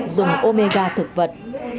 dùng omega thực vật